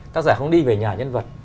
tác giả không đi về nhà nhân vật